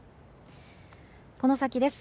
この先です。